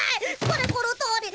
これこのとおり！